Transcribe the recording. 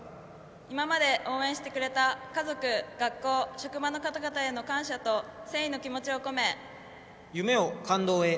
今まで応援してくれた家族、学校、職場の方々への感謝と誠意の気持ちを込め「夢を感動へ。